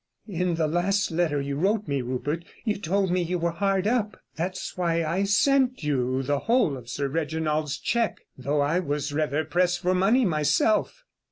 "In the last letter you wrote me, Rupert, you told me you were rather hard up. That's why I sent you the whole of Sir Reginald's cheque, though I was rather pressed for money myself."